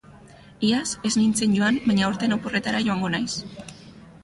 Iaz ez nintzen joan, baina aurten oporretara joango naiz.